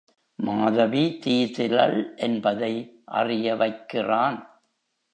மாதவி தீதிலள் என்பதை அறிய வைக்கிறான்.